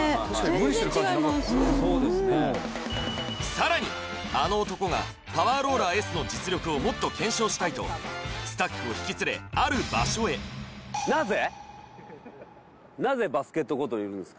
さらにあの男がパワーローラーＳの実力をもっと検証したいとスタッフを引き連れある場所へにいるんですか